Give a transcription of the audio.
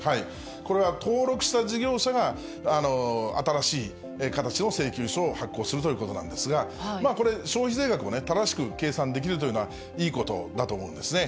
これは登録した事業者が、新しい形の請求書を発行するということなんですが、これ、消費税額を正しく計算できるというのはいいことだと思うんですね。